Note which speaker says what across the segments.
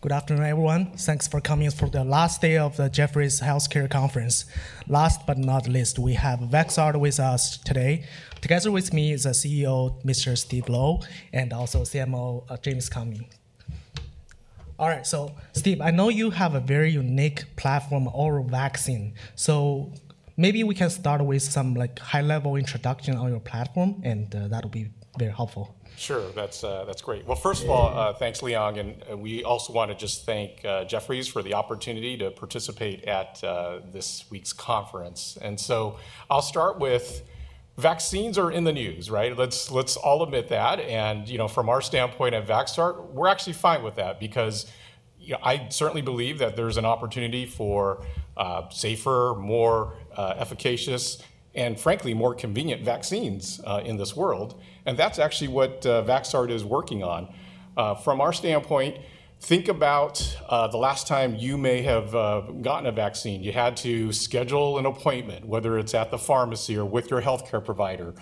Speaker 1: Good afternoon, everyone. Thanks for coming for the last day of the Jefferies Healthcare Conference. Last but not least, we have Vaxart with us today. Together with me is CEO Mr. Steve Lo and also CMO James Cummings. All right, so Steve, I know you have a very unique platform, oral vaccine. Maybe we can start with some high-level introduction on your platform, and that'll be very helpful.
Speaker 2: Sure, that's great. First of all, thanks, Leong, and we also want to just thank Jefferies for the opportunity to participate at this week's conference. I'll start with vaccines are in the news, right? Let's all admit that. From our standpoint at Vaxart, we're actually fine with that because I certainly believe that there's an opportunity for safer, more efficacious, and frankly, more convenient vaccines in this world. That's actually what Vaxart is working on. From our standpoint, think about the last time you may have gotten a vaccine. You had to schedule an appointment, whether it's at the pharmacy or with your healthcare provider.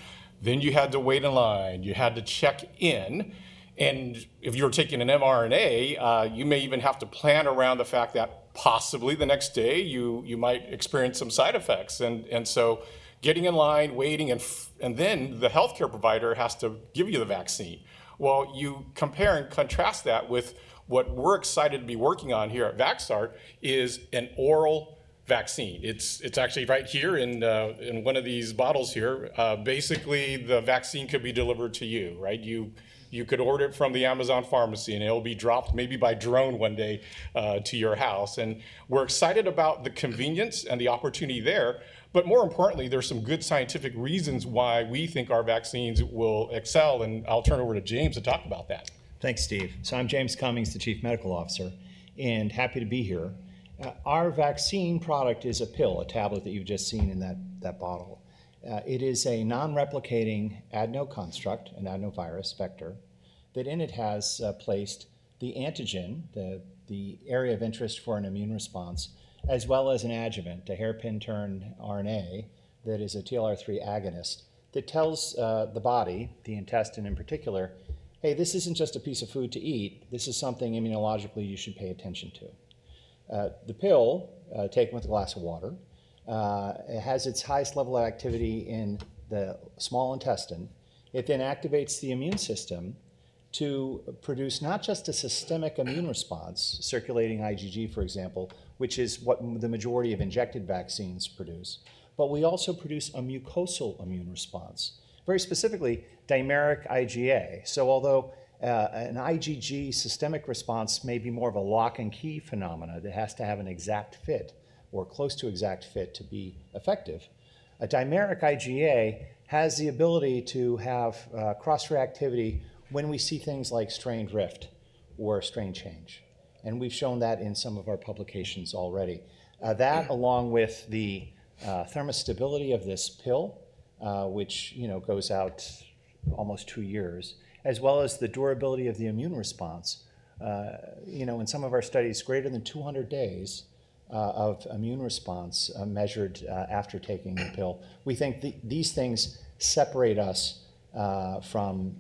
Speaker 2: You had to wait in line. You had to check in. If you were taking an mRNA, you may even have to plan around the fact that possibly the next day you might experience some side effects. Getting in line, waiting, and then the healthcare provider has to give you the vaccine. You compare and contrast that with what we're excited to be working on here at Vaxart is an oral vaccine. It's actually right here in one of these bottles here. Basically, the vaccine could be delivered to you, right? You could order it from the Amazon pharmacy, and it'll be dropped maybe by drone one day to your house. We're excited about the convenience and the opportunity there. More importantly, there's some good scientific reasons why we think our vaccines will excel. I'll turn it over to James to talk about that.
Speaker 3: Thanks, Steve. I'm James Cummings, the Chief Medical Officer, and happy to be here. Our vaccine product is a pill, a tablet that you've just seen in that bottle. It is a non-replicating adenovirus vector that in it has placed the antigen, the area of interest for an immune response, as well as an adjuvant, a hairpin-turned RNA that is a TLR3 agonist that tells the body, the intestine in particular, hey, this isn't just a piece of food to eat. This is something immunologically you should pay attention to. The pill, taken with a glass of water, has its highest level of activity in the small intestine. It then activates the immune system to produce not just a systemic immune response, circulating IgG, for example, which is what the majority of injected vaccines produce, but we also produce a mucosal immune response, very specifically dimeric IgA. Although an IgG systemic response may be more of a lock-and-key phenomenon that has to have an exact fit or close to exact fit to be effective, a dimeric IgA has the ability to have cross-reactivity when we see things like strain drift or strain change. We have shown that in some of our publications already. That, along with the thermostability of this pill, which goes out almost two years, as well as the durability of the immune response. In some of our studies, greater than 200 days of immune response measured after taking the pill, we think these things separate us from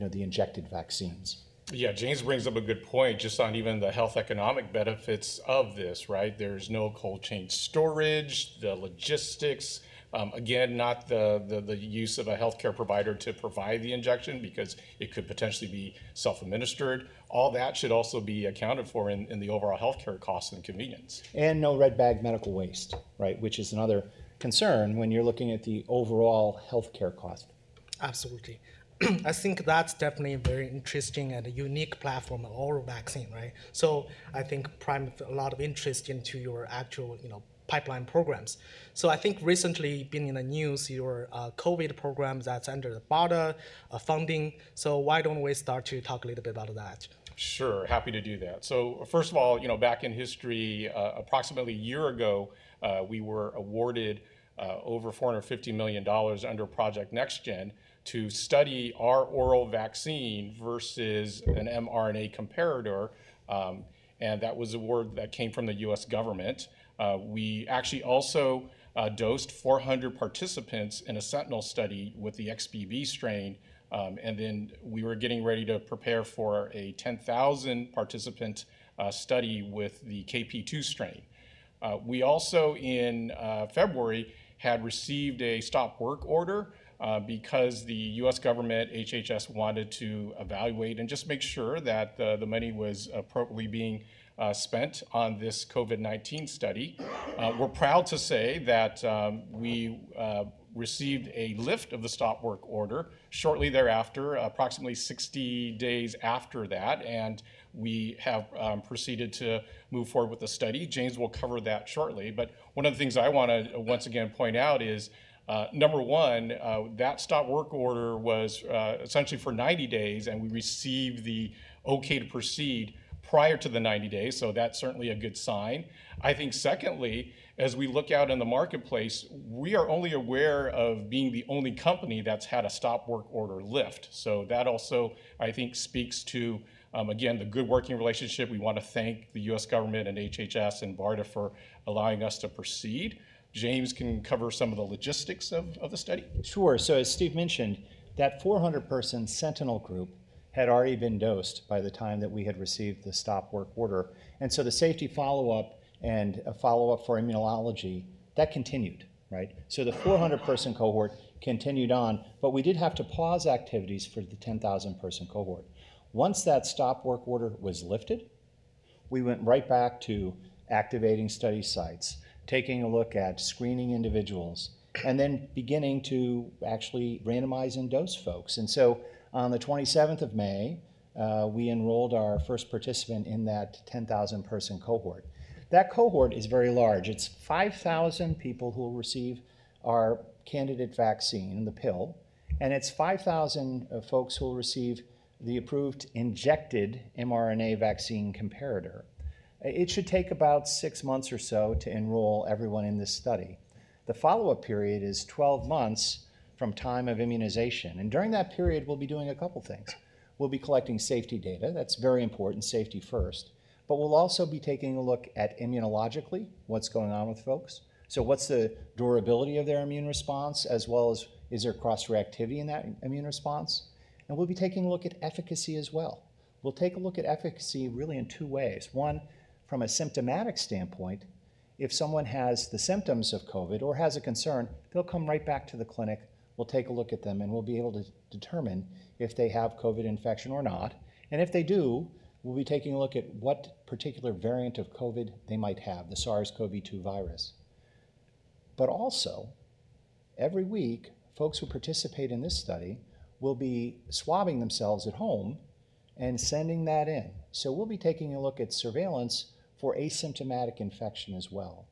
Speaker 3: the injected vaccines.
Speaker 2: Yeah, James brings up a good point just on even the health economic benefits of this, right? There is no cold chain storage, the logistics, again, not the use of a healthcare provider to provide the injection because it could potentially be self-administered. All that should also be accounted for in the overall healthcare cost and convenience.
Speaker 3: No red-bag medical waste, right, which is another concern when you're looking at the overall healthcare cost.
Speaker 1: Absolutely. I think that's definitely a very interesting and unique platform, oral vaccine, right? I think prime a lot of interest into your actual pipeline programs. I think recently been in the news, your COVID program that's under the BARDA funding. Why don't we start to talk a little bit about that?
Speaker 2: Sure, happy to do that. First of all, back in history, approximately a year ago, we were awarded over $450 million under Project NextGen to study our oral vaccine versus an mRNA comparator. That was a word that came from the U.S. government. We actually also dosed 400 participants in a sentinel study with the XBB strain. We were getting ready to prepare for a 10,000-participant study with the KP.2 strain. In February, we had received a stop work order because the U.S. government, HHS, wanted to evaluate and just make sure that the money was appropriately being spent on this COVID-19 study. We're proud to say that we received a lift of the stop work order shortly thereafter, approximately 60 days after that. We have proceeded to move forward with the study. James will cover that shortly. One of the things I want to once again point out is, number one, that stop work order was essentially for 90 days, and we received the okay to proceed prior to the 90 days. That is certainly a good sign. I think secondly, as we look out in the marketplace, we are only aware of being the only company that has had a stop work order lift. That also, I think, speaks to, again, the good working relationship. We want to thank the U.S. government and HHS and BARDA for allowing us to proceed. James can cover some of the logistics of the study.
Speaker 3: Sure. As Steve mentioned, that 400-person sentinel group had already been dosed by the time that we had received the stop work order. The safety follow-up and a follow-up for immunology, that continued, right? The 400-person cohort continued on, but we did have to pause activities for the 10,000-person cohort. Once that stop work order was lifted, we went right back to activating study sites, taking a look at screening individuals, and then beginning to actually randomize and dose folks. On the 27th of May, we enrolled our first participant in that 10,000-person cohort. That cohort is very large. It is 5,000 people who will receive our candidate vaccine, the pill. It is 5,000 folks who will receive the approved injected mRNA vaccine comparator. It should take about six months or so to enroll everyone in this study. The follow-up period is 12 months from time of immunization. During that period, we'll be doing a couple of things. We'll be collecting safety data. That's very important, safety first. We'll also be taking a look at immunologically what's going on with folks. What's the durability of their immune response, as well as is there cross-reactivity in that immune response? We'll be taking a look at efficacy as well. We'll take a look at efficacy really in two ways. One, from a symptomatic standpoint, if someone has the symptoms of COVID or has a concern, they'll come right back to the clinic. We'll take a look at them, and we'll be able to determine if they have COVID infection or not. If they do, we'll be taking a look at what particular variant of COVID they might have, the SARS-CoV-2 virus. Also, every week, folks who participate in this study will be swabbing themselves at home and sending that in. So we'll be taking a look at surveillance for asymptomatic infection as well.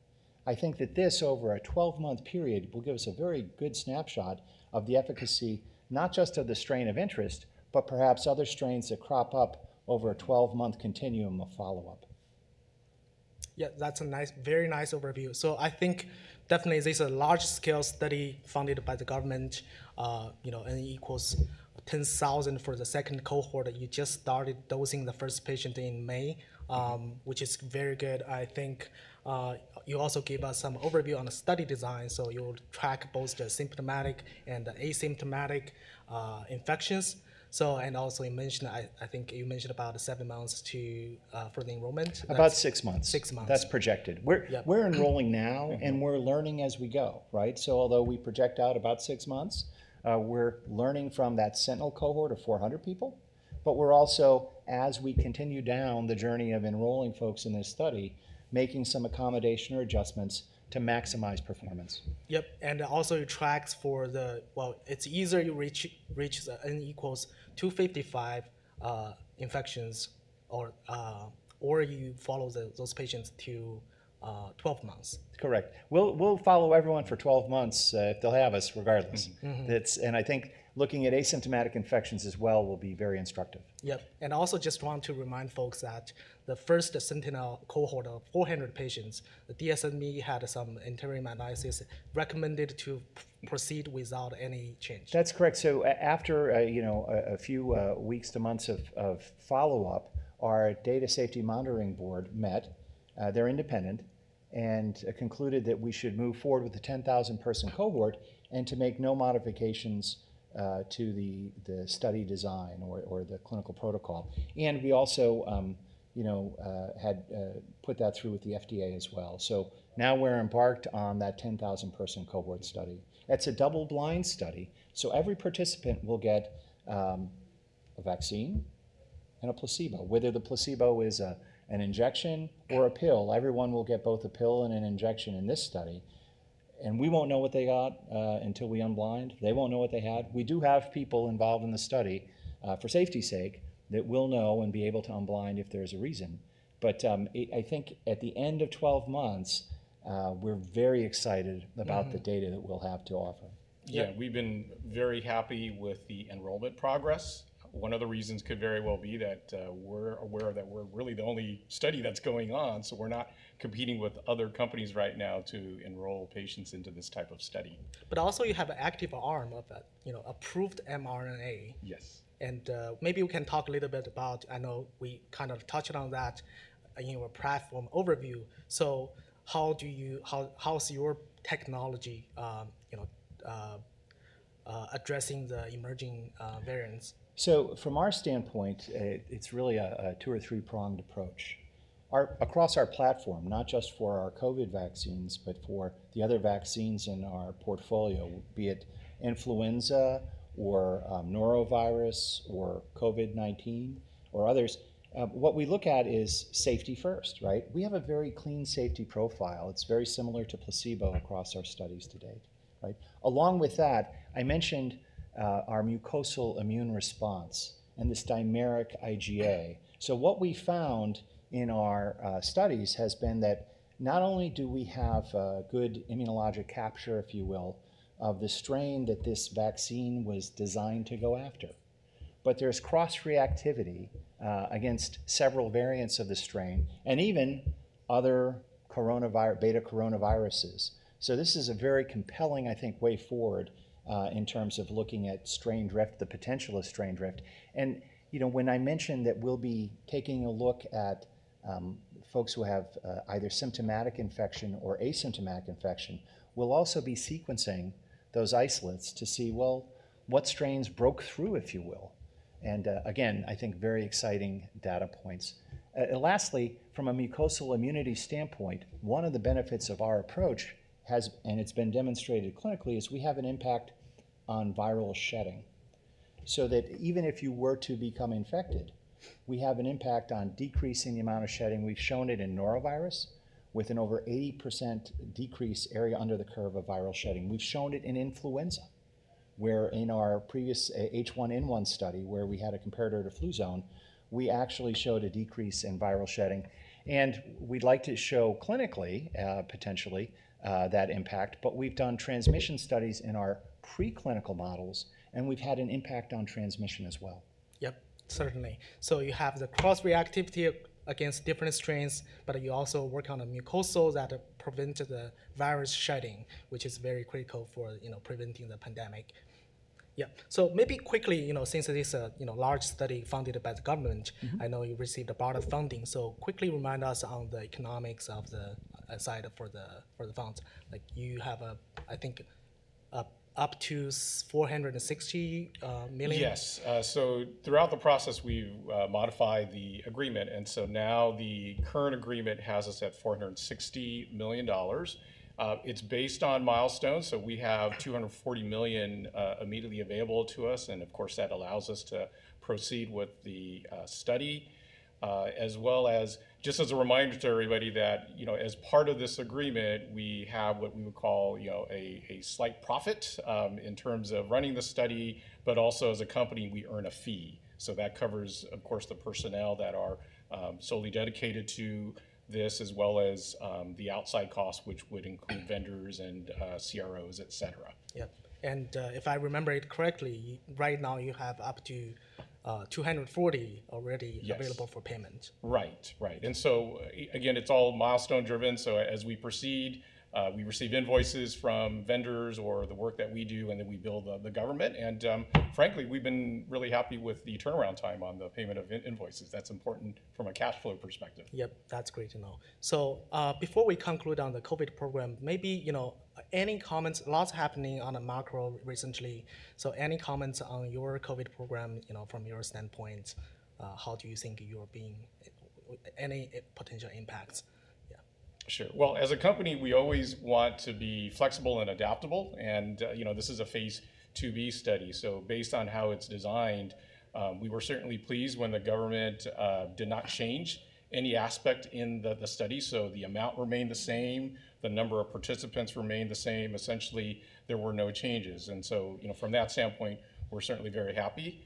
Speaker 3: I think that this, over a 12-month period, will give us a very good snapshot of the efficacy, not just of the strain of interest, but perhaps other strains that crop up over a 12-month continuum of follow-up.
Speaker 1: Yeah, that's a nice, very nice overview. I think definitely this is a large-scale study funded by the government, and it equals 10,000 for the second cohort that you just started dosing the first patient in May, which is very good. I think you also gave us some overview on the study design. You'll track both the symptomatic and the asymptomatic infections. I think you mentioned about seven months for the enrollment.
Speaker 3: About six months.
Speaker 1: Six months.
Speaker 3: That's projected. We're enrolling now, and we're learning as we go, right? Although we project out about six months, we're learning from that sentinel cohort of 400 people. We're also, as we continue down the journey of enrolling folks in this study, making some accommodation or adjustments to maximize performance.
Speaker 1: Yep. It also tracks for the, well, it's easier to reach and equals 255 infections or you follow those patients to 12 months.
Speaker 3: Correct. We'll follow everyone for 12 months if they'll have us, regardless. I think looking at asymptomatic infections as well will be very instructive.
Speaker 1: Yep. I also just want to remind folks that the first sentinel cohort of 400 patients, the DSMB had some interim analysis, recommended to proceed without any change.
Speaker 3: That's correct. After a few weeks to months of follow-up, our data safety monitoring board met. They're independent and concluded that we should move forward with the 10,000-person cohort and to make no modifications to the study design or the clinical protocol. We also had put that through with the FDA as well. Now we're embarked on that 10,000-person cohort study. That's a double-blind study. Every participant will get a vaccine and a placebo. Whether the placebo is an injection or a pill, everyone will get both a pill and an injection in this study. We won't know what they got until we unblind. They won't know what they had. We do have people involved in the study for safety's sake that will know and be able to unblind if there's a reason. I think at the end of 12 months, we're very excited about the data that we'll have to offer.
Speaker 2: Yeah, we've been very happy with the enrollment progress. One of the reasons could very well be that we're aware that we're really the only study that's going on. So we're not competing with other companies right now to enroll patients into this type of study.
Speaker 1: You have an active arm of that approved mRNA.
Speaker 2: Yes.
Speaker 1: Maybe we can talk a little bit about, I know we kind of touched on that in your platform overview. How's your technology addressing the emerging variants?
Speaker 3: From our standpoint, it's really a two or three-pronged approach across our platform, not just for our COVID vaccines, but for the other vaccines in our portfolio, be it influenza or norovirus or COVID-19 or others. What we look at is safety first, right? We have a very clean safety profile. It's very similar to placebo across our studies to date, right? Along with that, I mentioned our mucosal immune response and this dimeric IgA. What we found in our studies has been that not only do we have good immunologic capture, if you will, of the strain that this vaccine was designed to go after, but there's cross-reactivity against several variants of the strain and even other beta coronaviruses. This is a very compelling, I think, way forward in terms of looking at strain drift, the potential of strain drift. When I mentioned that we'll be taking a look at folks who have either symptomatic infection or asymptomatic infection, we'll also be sequencing those isolates to see, well, what strains broke through, if you will. I think very exciting data points. Lastly, from a mucosal immunity standpoint, one of the benefits of our approach, and it's been demonstrated clinically, is we have an impact on viral shedding. Even if you were to become infected, we have an impact on decreasing the amount of shedding. We've shown it in norovirus with an over 80% decrease area under the curve of viral shedding. We've shown it in influenza, where in our previous H1N1 study, where we had a comparator to Fluzone, we actually showed a decrease in viral shedding. We'd like to show clinically, potentially, that impact. We have done transmission studies in our preclinical models, and we have had an impact on transmission as well.
Speaker 1: Yep, certainly. You have the cross-reactivity against different strains, but you also work on the mucosal that prevented the virus shedding, which is very critical for preventing the pandemic. Yeah. Maybe quickly, since it is a large study funded by the government, I know you received BARDA funding. Quickly remind us on the economics of the side for the funds. You have, I think, up to $460 million?
Speaker 2: Yes. Throughout the process, we modify the agreement. Now the current agreement has us at $460 million. It's based on milestones. We have $240 million immediately available to us. That allows us to proceed with the study, as well as just as a reminder to everybody that as part of this agreement, we have what we would call a slight profit in terms of running the study, but also as a company, we earn a fee. That covers, of course, the personnel that are solely dedicated to this, as well as the outside costs, which would include vendors and CROs, et cetera.
Speaker 1: Yep. And if I remember it correctly, right now you have up to $240 million already available for payment.
Speaker 2: Right, right. It is all milestone-driven. As we proceed, we receive invoices from vendors or the work that we do, and then we bill the government. Frankly, we have been really happy with the turnaround time on the payment of invoices. That is important from a cash flow perspective.
Speaker 1: Yep, that's great to know. Before we conclude on the COVID program, maybe any comments, lots happening on a macro recently. Any comments on your COVID program from your standpoint? How do you think you are being any potential impacts? Yeah.
Speaker 2: Sure. As a company, we always want to be flexible and adaptable. This is a phase 2b study. Based on how it is designed, we were certainly pleased when the government did not change any aspect in the study. The amount remained the same. The number of participants remained the same. Essentially, there were no changes. From that standpoint, we are certainly very happy.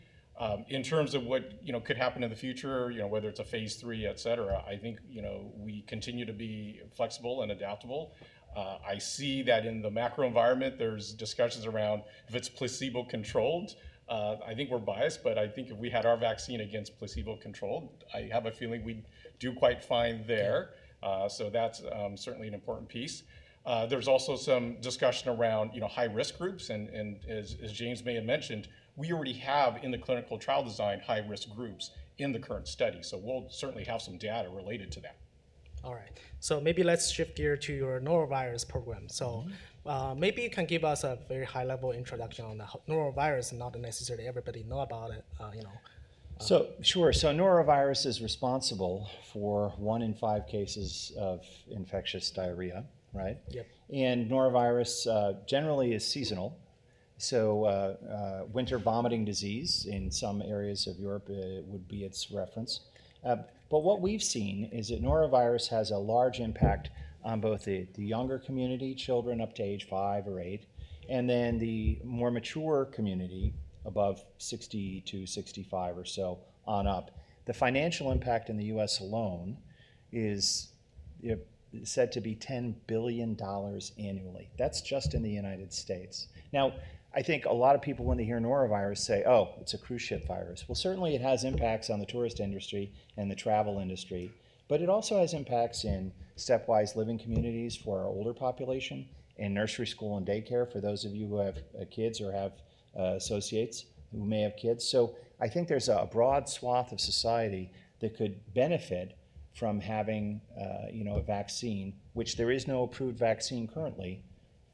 Speaker 2: In terms of what could happen in the future, whether it is a phase III, et cetera, I think we continue to be flexible and adaptable. I see that in the macro environment, there are discussions around if it is placebo-controlled. I think we are biased, but I think if we had our vaccine against placebo-controlled, I have a feeling we would do quite fine there. That is certainly an important piece. There is also some discussion around high-risk groups. As James may have mentioned, we already have in the clinical trial design high-risk groups in the current study. We will certainly have some data related to that.
Speaker 1: All right. Maybe let's shift gears to your norovirus program. Maybe you can give us a very high-level introduction on the norovirus, and not necessarily everybody know about it.
Speaker 3: Sure. So norovirus is responsible for one in five cases of infectious diarrhea, right?
Speaker 1: Yep.
Speaker 3: Norovirus generally is seasonal. Winter vomiting disease in some areas of Europe would be its reference. What we've seen is that norovirus has a large impact on both the younger community, children up to age five or eight, and then the more mature community above 60-65 or so on up. The financial impact in the U.S. alone is said to be $10 billion annually. That's just in the United States. I think a lot of people when they hear norovirus say, "Oh, it's a cruise ship virus." Certainly it has impacts on the tourist industry and the travel industry, but it also has impacts in stepwise living communities for our older population and nursery school and daycare for those of you who have kids or have associates who may have kids. I think there's a broad swath of society that could benefit from having a vaccine, which there is no approved vaccine currently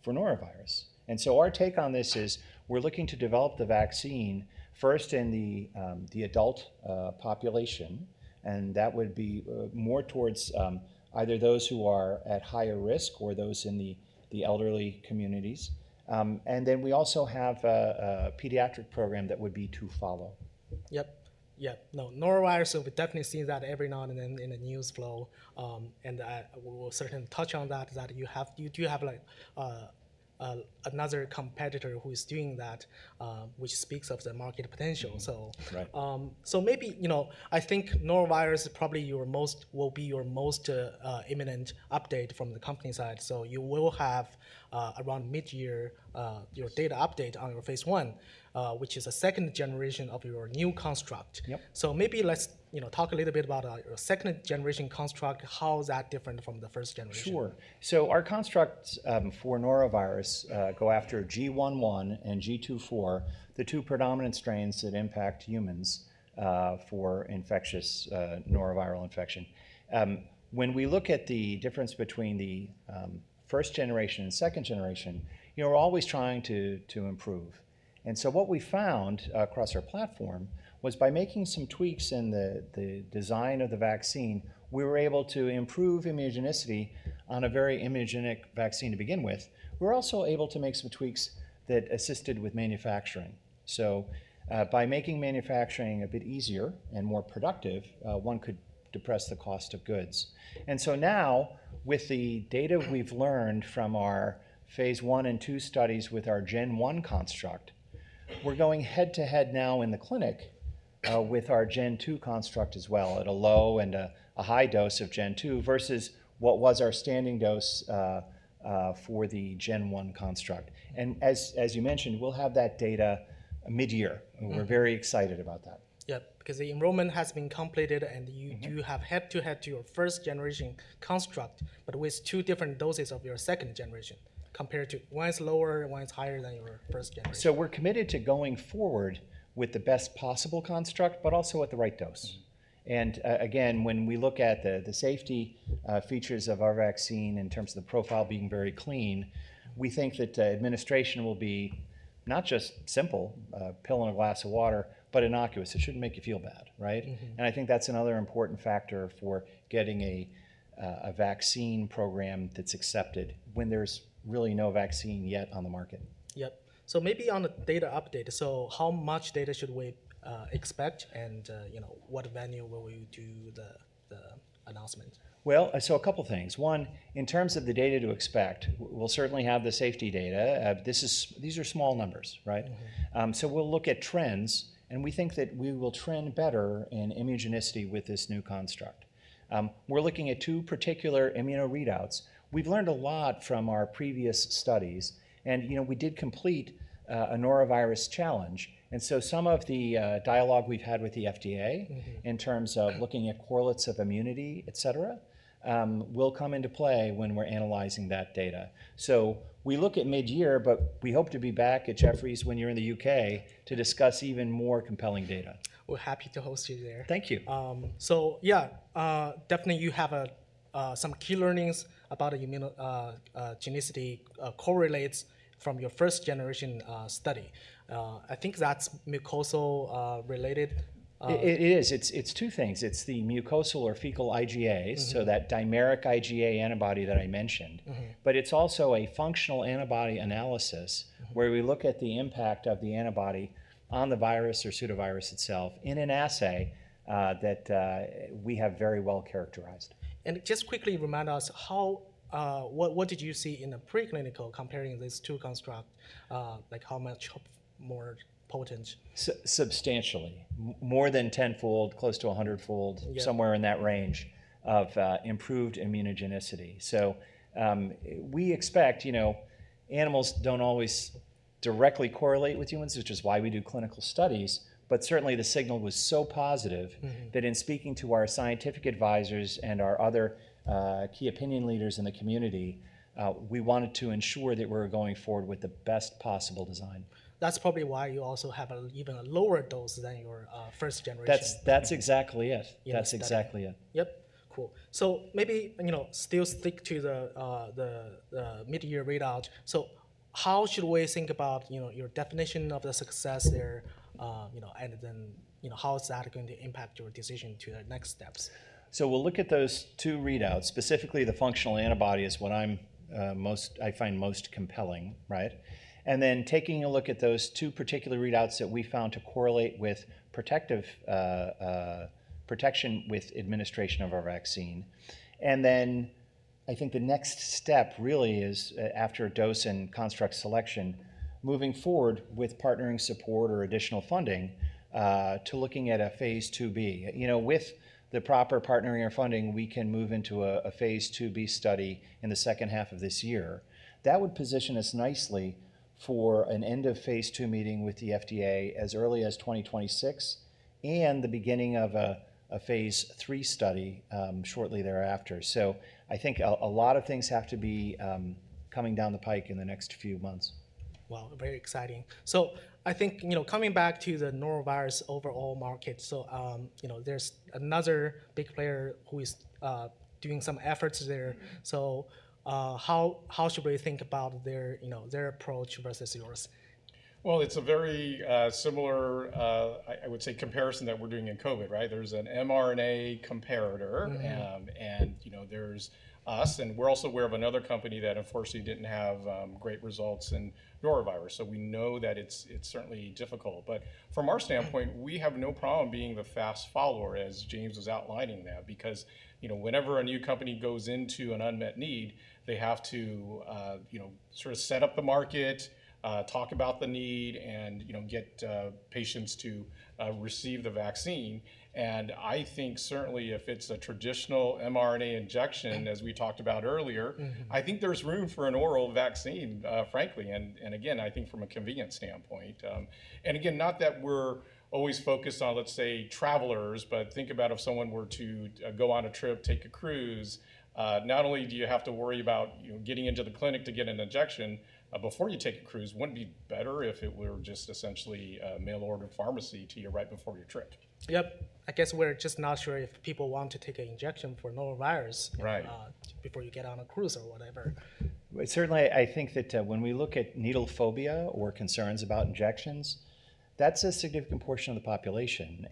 Speaker 3: for norovirus. Our take on this is we're looking to develop the vaccine first in the adult population. That would be more towards either those who are at higher risk or those in the elderly communities. We also have a pediatric program that would be to follow.
Speaker 1: Yep. Yeah. No, norovirus, we've definitely seen that every now and then in the news flow. We'll certainly touch on that, that you do have another competitor who is doing that, which speaks of the market potential. I think norovirus probably will be your most imminent update from the company side. You will have around mid-year your data update on your phase I, which is a second generation of your new construct. Maybe let's talk a little bit about your second generation construct. How is that different from the first generation?
Speaker 3: Sure. Our constructs for norovirus go after GI.1 and GII.4, the two predominant strains that impact humans for infectious noroviral infection. When we look at the difference between the first generation and second generation, we're always trying to improve. What we found across our platform was by making some tweaks in the design of the vaccine, we were able to improve immunogenicity on a very immunogenic vaccine to begin with. We were also able to make some tweaks that assisted with manufacturing. By making manufacturing a bit easier and more productive, one could depress the cost of goods. Now with the data we've learned from our phase one and two studies with our gen one construct, we're going head to head in the clinic with our gen two construct as well at a low and a high dose of gen two versus what was our standing dose for the gen one construct. As you mentioned, we'll have that data mid-year. We're very excited about that.
Speaker 1: Yep, because the enrollment has been completed and you do have head to head to your first generation construct, but with two different doses of your second generation compared to one is lower, one is higher than your first generation.
Speaker 3: We're committed to going forward with the best possible construct, but also at the right dose. Again, when we look at the safety features of our vaccine in terms of the profile being very clean, we think that administration will be not just simple, a pill in a glass of water, but innocuous. It shouldn't make you feel bad, right? I think that's another important factor for getting a vaccine program that's accepted when there's really no vaccine yet on the market.
Speaker 1: Yep. So maybe on the data update, so how much data should we expect and what venue will we do the announcement?
Speaker 3: A couple of things. One, in terms of the data to expect, we'll certainly have the safety data. These are small numbers, right? We will look at trends. We think that we will trend better in immunogenicity with this new construct. We're looking at two particular immuno readouts. We've learned a lot from our previous studies. We did complete a norovirus challenge. Some of the dialogue we've had with the FDA in terms of looking at correlates of immunity, et cetera, will come into play when we're analyzing that data. We look at mid-year, but we hope to be back at Jefferies when you're in the U.K. to discuss even more compelling data.
Speaker 1: We're happy to host you there.
Speaker 3: Thank you.
Speaker 1: Yeah, definitely you have some key learnings about immunogenicity correlates from your first-generation study. I think that's mucosal related.
Speaker 3: It is. It's two things. It's the mucosal or fecal IgAs, so that dimeric IgA antibody that I mentioned. It is also a functional antibody analysis where we look at the impact of the antibody on the virus or pseudovirus itself in an assay that we have very well characterized.
Speaker 1: Just quickly remind us, what did you see in the preclinical comparing these two constructs? Like how much more potent?
Speaker 3: Substantially. More than tenfold, close to a hundredfold, somewhere in that range of improved immunogenicity. We expect animals do not always directly correlate with humans, which is why we do clinical studies. Certainly the signal was so positive that in speaking to our scientific advisors and our other key opinion leaders in the community, we wanted to ensure that we are going forward with the best possible design.
Speaker 1: That's probably why you also have even a lower dose than your first generation.
Speaker 3: That's exactly it.
Speaker 1: Yep. Cool. Maybe still stick to the mid-year readout. How should we think about your definition of the success there? How is that going to impact your decision to the next steps?
Speaker 3: We'll look at those two readouts. Specifically, the functional antibody is what I find most compelling, right? Then taking a look at those two particular readouts that we found to correlate with protection with administration of our vaccine. I think the next step really is after a dose and construct selection, moving forward with partnering support or additional funding to looking at a phase 2b. With the proper partnering or funding, we can move into a phase 2b study in the second-half of this year. That would position us nicely for an end of phase II meeting with the FDA as early as 2026 and the beginning of a phase III study shortly thereafter. I think a lot of things have to be coming down the pike in the next few months.
Speaker 1: Very exciting. I think coming back to the norovirus overall market, there is another big player who is doing some efforts there. How should we think about their approach versus yours?
Speaker 2: It is a very similar, I would say, comparison that we are doing in COVID, right? There is an mRNA comparator and there is us. We are also aware of another company that unfortunately did not have great results in norovirus. We know that it is certainly difficult. From our standpoint, we have no problem being the fast follower as James was outlining because whenever a new company goes into an unmet need, they have to sort of set up the market, talk about the need, and get patients to receive the vaccine. I think certainly if it is a traditional mRNA injection, as we talked about earlier, I think there is room for an oral vaccine, frankly. Again, I think from a convenience standpoint. Again, not that we're always focused on, let's say, travelers, but think about if someone were to go on a trip, take a cruise, not only do you have to worry about getting into the clinic to get an injection before you take a cruise, wouldn't it be better if it were just essentially mail-ordered pharmacy to you right before your trip?
Speaker 1: Yep. I guess we're just not sure if people want to take an injection for norovirus before you get on a cruise or whatever.
Speaker 3: Certainly, I think that when we look at needle phobia or concerns about injections, that's a significant portion of the population.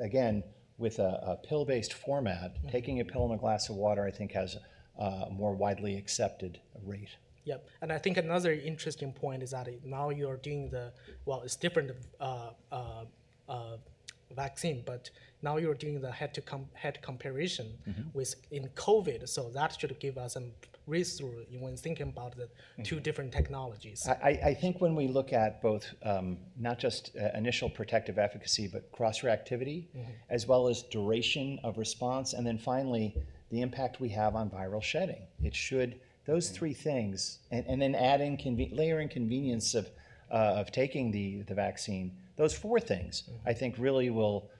Speaker 3: Again, with a pill-based format, taking a pill in a glass of water, I think has a more widely accepted rate.
Speaker 1: Yep. I think another interesting point is that now you are doing the, well, it's different vaccine, but now you're doing the head-to-head comparison with COVID. That should give us some reason when thinking about the two different technologies.
Speaker 3: I think when we look at both not just initial protective efficacy, but cross-reactivity, as well as duration of response, and then finally the impact we have on viral shedding. It should, those three things, and then layering convenience of taking the vaccine, those four things, I think really will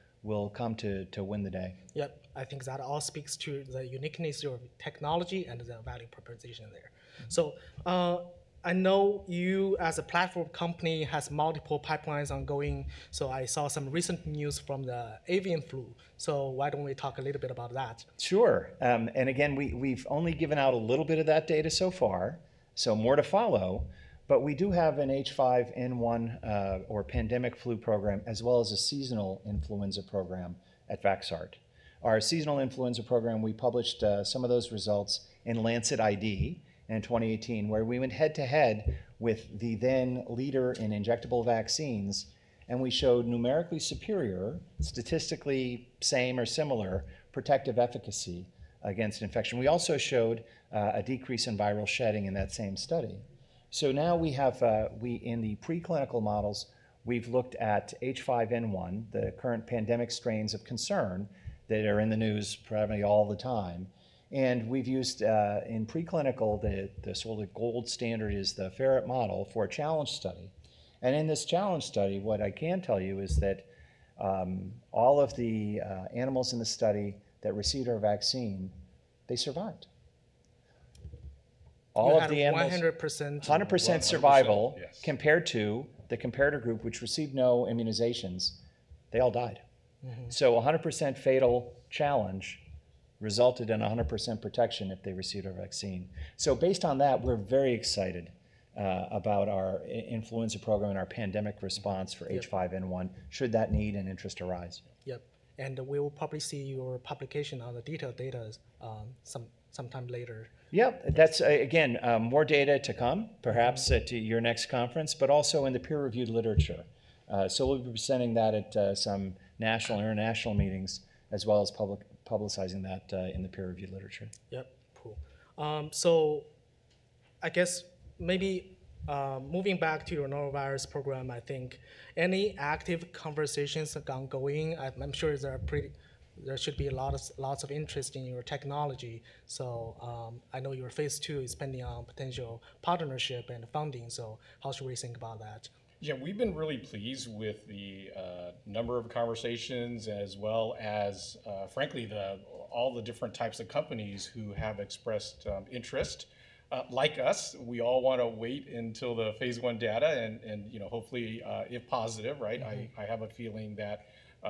Speaker 3: come to win the day.
Speaker 1: Yep. I think that all speaks to the uniqueness of technology and the value proposition there. I know you as a platform company have multiple pipelines ongoing. I saw some recent news from the avian flu. Why don't we talk a little bit about that?
Speaker 3: Sure. Again, we've only given out a little bit of that data so far. More to follow. We do have an H5N1 or pandemic flu program as well as a seasonal influenza program at Vaxart. Our seasonal influenza program, we published some of those results in Lancet ID in 2018, where we went head to head with the then leader in injectable vaccines. We showed numerically superior, statistically same or similar protective efficacy against infection. We also showed a decrease in viral shedding in that same study. Now we have, in the preclinical models, we've looked at H5N1, the current pandemic strains of concern that are in the news probably all the time. We've used, in preclinical, the sort of gold standard is the ferret model for a challenge study. In this challenge study, what I can tell you is that all of the animals in the study that received our vaccine, they survived. All of the animals.
Speaker 1: You have a 100%.
Speaker 3: 100% survival compared to the comparator group, which received no immunizations. They all died. 100% fatal challenge resulted in 100% protection if they received our vaccine. Based on that, we're very excited about our influenza program and our pandemic response for H5N1 should that need and interest arise.
Speaker 1: Yep. We will probably see your publication on the detailed data sometime later.
Speaker 3: Yep. That's, again, more data to come, perhaps to your next conference, but also in the peer-reviewed literature. We'll be presenting that at some national and international meetings, as well as publicizing that in the peer-reviewed literature.
Speaker 1: Yep. Cool. I guess maybe moving back to your norovirus program, I think any active conversations are ongoing. I'm sure there should be lots of interest in your technology. I know your phase two is pending on potential partnership and funding. How should we think about that?
Speaker 2: Yeah, we've been really pleased with the number of conversations as well as, frankly, all the different types of companies who have expressed interest. Like us, we all want to wait until the phase one data and hopefully if positive, right? I have a feeling that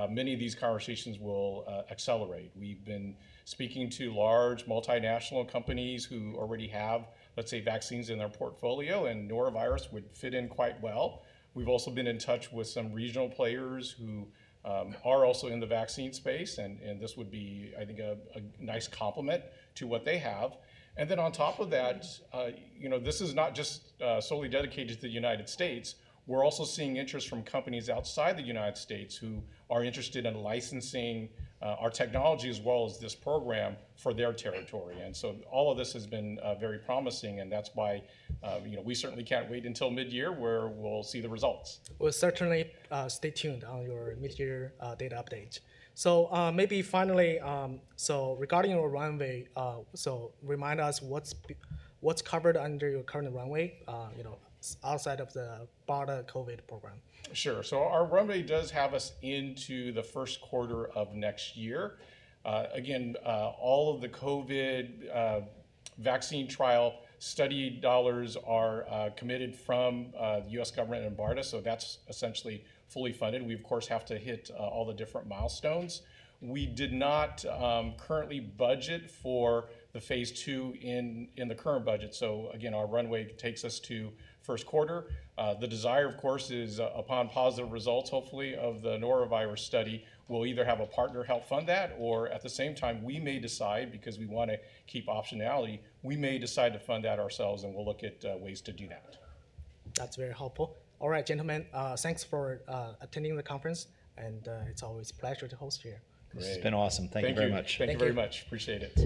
Speaker 2: many of these conversations will accelerate. We've been speaking to large multinational companies who already have, let's say, vaccines in their portfolio, and norovirus would fit in quite well. We've also been in touch with some regional players who are also in the vaccine space. This would be, I think, a nice complement to what they have. On top of that, this is not just solely dedicated to the United States. We're also seeing interest from companies outside the United States who are interested in licensing our technology as well as this program for their territory. All of this has been very promising. That is why we certainly can't wait until mid-year where we'll see the results.
Speaker 1: Certainly stay tuned on your mid-year data update. Maybe finally, regarding your runway, remind us what's covered under your current runway outside of the BARDA COVID program.
Speaker 2: Sure. Our runway does have us into the first quarter of next year. Again, all of the COVID vaccine trial study dollars are committed from the U.S. government and BARDA. That is essentially fully funded. We, of course, have to hit all the different milestones. We did not currently budget for the phase two in the current budget. Our runway takes us to first quarter. The desire, of course, is upon positive results, hopefully, of the norovirus study, we will either have a partner help fund that, or at the same time, we may decide, because we want to keep optionality, we may decide to fund that ourselves and we will look at ways to do that.
Speaker 1: That's very helpful. All right, gentlemen, thanks for attending the conference. It's always a pleasure to host here.
Speaker 3: It's been awesome. Thank you very much.
Speaker 2: Thank you very much. Appreciate it.